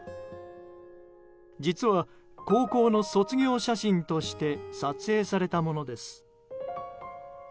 実は、高校の卒業写真として撮影されたものです。